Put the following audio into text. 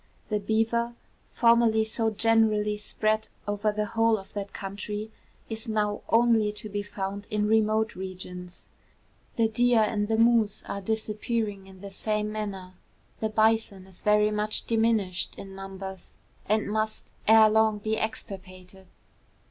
The beaver, formerly so generally spread over the whole of that country, is now only to be found in remote regions. The deer and the moose are disappearing in the same manner. The bison is very much diminished in numbers, and must ere long be extirpated.